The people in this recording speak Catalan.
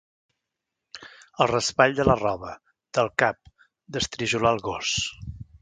El raspall de la roba, del cap, d'estrijolar el gos.